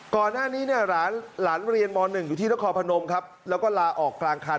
ก่อนหน้านี้เนี่ยหลานเรียนม๑อยู่ที่นครพนมครับแล้วก็ลาออกกลางคัน